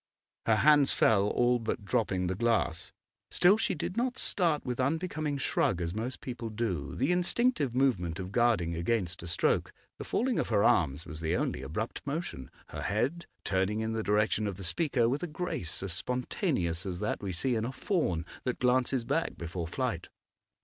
Her hands fell, all but dropping the glass; still, she did not start with unbecoming shrug as most people do, the instinctive movement of guarding against a stroke; the falling of her arms was the only abrupt motion, her head turning in the direction of the speaker with a grace as spontaneous as that we see in a fawn that glances back before flight.